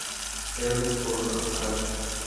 এরকম করোনা, আকাশ।